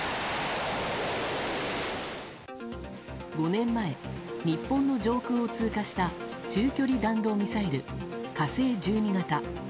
５年前日本の上空を通過した中距離弾道ミサイル「火星１２型」。